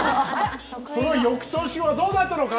その翌年はどうなったのか？